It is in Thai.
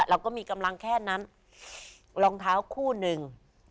เราก็มีกำลังแค่นั้นรองเท้าคู่หนึ่ง